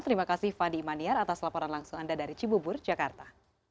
terima kasih fadi maniar atas laporan langsung anda dari cibubur jakarta